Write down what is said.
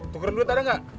tukeran duit ada gak